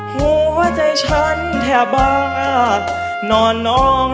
หัวใจฉันแถบบาด